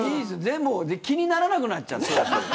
気にならなくなっちゃって。